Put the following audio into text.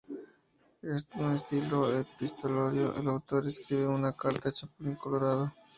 En un estilo epistolario, el autor escribe una carta al Chapulín Colorado.